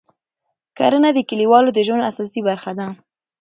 کرنه د کلیوالو د ژوند اساسي برخه ده